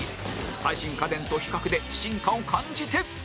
最新家電と比較で進化を感じて！